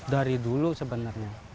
dari dulu sebenarnya